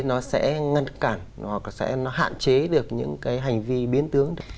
nó sẽ ngăn cản nó sẽ hạn chế được những cái hành vi biến tướng